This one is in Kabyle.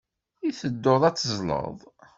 I tedduḍ ad teẓẓleḍ?